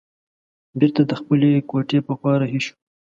بیرته د خپلې کوټې په خوا رهي شوم.